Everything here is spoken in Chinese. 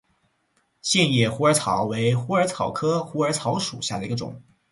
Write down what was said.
线叶虎耳草为虎耳草科虎耳草属下的一个种。